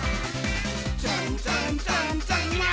「ツンツンツンツン」